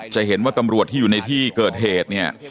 จะเห็นว่าตำรวจที่อยู่ในที่เกิดเหตุเนี่ย